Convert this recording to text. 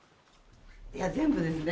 いや全部ですね。